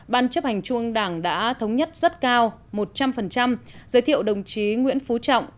ban chấp hành trung ương đảng đã thống nhất rất cao một trăm linh giới thiệu đồng chí nguyễn phú trọng